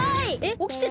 おきてたの？